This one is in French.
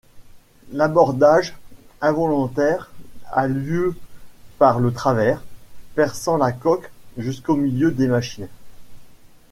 L'abordage, involontaire, a lieu par le travers, perçant la coque jusqu'au milieu des machines.